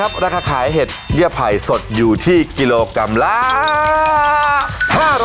ราคาขายเห็ดเยี่ยมไผ่สดอยู่ที่กิโลกรัมละ๕๐๐บาทครับผม